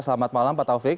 selamat malam pak taufik